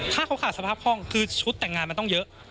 ถ้าเขาขาดสภาพคล่องคือชุดแต่งงานมันต้องเยอะ